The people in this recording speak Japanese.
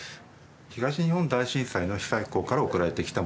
東日本大震災の被災校から送られてきたものです。